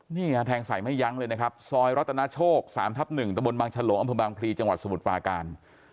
เนี่ยแท้งใส่ไม่ยั้งเลยนะครับซอยรัตนโชค๓ทัพ๑ตระบลบางชะโหลอัมพุบามครีจังหวัดสมุทรฟาการ